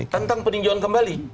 tentang peninjauan kembali